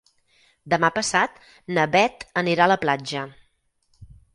Demà passat na Bet anirà a la platja.